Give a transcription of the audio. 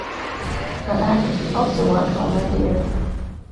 Her act also worked on radio.